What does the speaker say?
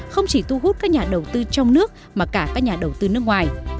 không chỉ thu hút các nhà đầu tư trong nước mà cả các nhà đầu tư nước ngoài